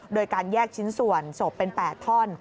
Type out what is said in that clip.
โดยการแยกชิ้นส่วนศพเป็น๘ท่อน